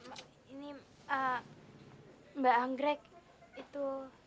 mbak ini mbak anggrek itu